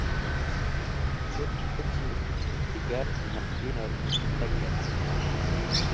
Chut̃ k̃hechi digar nag̃hdiner lekert.